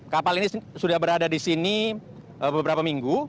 kapal ini sudah berada di sini beberapa minggu